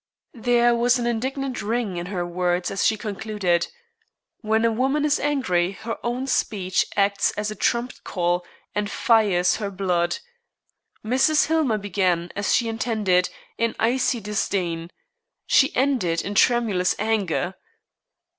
There was an indignant ring in her words as she concluded. When a woman is angry her own speech acts as a trumpet call and fires her blood. Mrs. Hillmer began, as she intended, in icy disdain. She ended in tremulous anger.